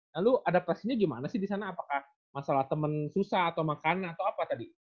lalu adaptasinya gimana sih di sana apakah masalah temen susah atau makanan atau apa tadi